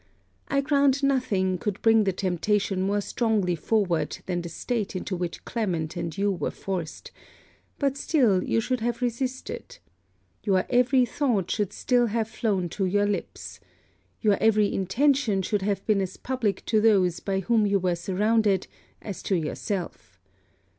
I grant nothing could bring the temptation more strongly forward than the state into which Clement and you were forced: but still you should have resisted. Your every thought should still have flown to your lips. Your every intention should have been as public to those by whom you were surrounded as to yourself.